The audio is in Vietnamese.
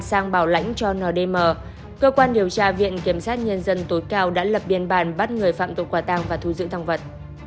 đang bảo lãnh cho ndm cơ quan điều tra viện kiểm sát nhân dân tối cao đã lập biên bàn bắt người phạm tội quả tăng và thu giữ tăng vật